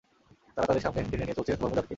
তারা তাদের সামনে টেনে নিয়ে চলছে হরমুজানকে।